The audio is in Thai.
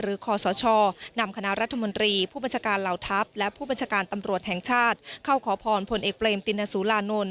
คอสชนำคณะรัฐมนตรีผู้บัญชาการเหล่าทัพและผู้บัญชาการตำรวจแห่งชาติเข้าขอพรผลเอกเบรมตินสุรานนท